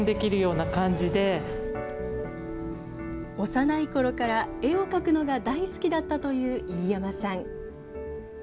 幼いころから絵を描くのが大好きだったという飯山さん。